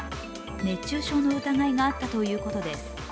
熱中症の疑いがあったということです。